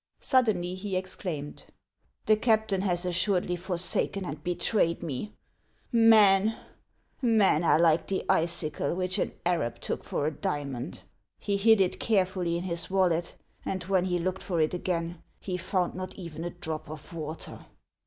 Suddenly he exclaimed :" The captain has assuredly forsaken and be trayed me ! Men, — men are like the icicle which an Arab took for a diamond ; he hid it carefully in his wallet, and when he looked for it again he found not even a drop of water."